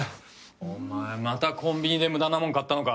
お前またコンビニで無駄なもん買ったのか？